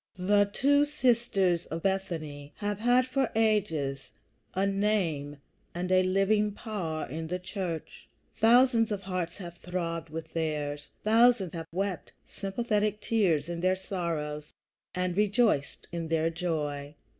The two sisters of Bethany have had for ages a name and a living power in the church. Thousands of hearts have throbbed with theirs; thousands have wept sympathetic tears in their sorrows and rejoiced in their joy.